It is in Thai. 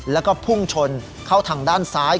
แล้วก็พุ่งชนเข้าทางด้านซ้าย